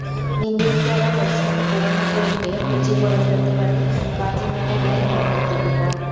নিন্দুকেরা বলছেন, পুরোনো প্রেমকে পুঁজি করে প্রতিবারই বাজি মেরে নেন রণবীর-দীপিকা।